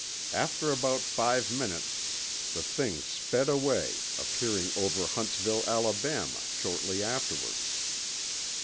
After about five minutes, the thing sped away, appearing over Huntsville, Alabama, shortly afterward.